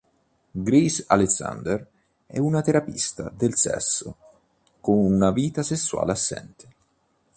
Grace Alexander è una terapista del sesso, con una vita sessuale assente.